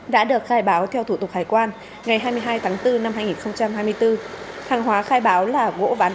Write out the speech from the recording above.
đã được khai báo theo thủ tục hải quan ngày hai mươi hai tháng bốn năm hai nghìn hai mươi bốn hàng hóa khai báo là gỗ ván